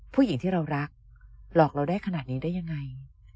ผู้หญิงที่เรารักหลอกเราได้ขนาดนี้ได้ยังไง